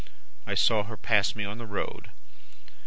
I saw her pass me on the road.